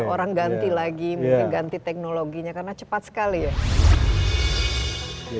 orang ganti lagi mungkin ganti teknologinya karena cepat sekali ya